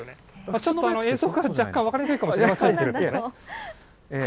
ちょっと映像では若干分かりにくいかもしれませんけど。